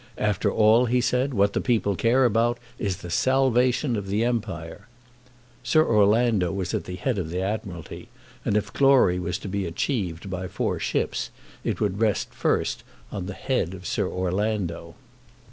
"After all," he said, "what the people care about is the Salvation of the Empire!" Sir Orlando was at the head of the Admiralty; and if glory was to be achieved by the four ships, it would rest first on the head of Sir Orlando.